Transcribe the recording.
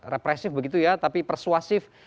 represif begitu ya tapi persuasif